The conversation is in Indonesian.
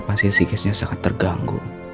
masih psikisnya sangat terganggu